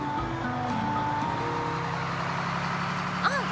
あ！